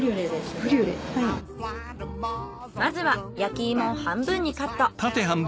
まずは焼き芋を半分にカット。